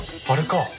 あれか。